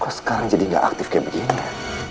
kok sekarang jadi gak aktif kayak begini ya